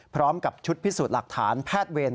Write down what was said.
พร้อมกับชุดพิสูจน์หลักฐานแพทย์เวร